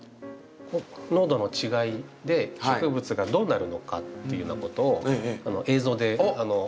濃度の違いで植物がどうなるのかっていうようなことを映像でまとめた実験をしておりますので。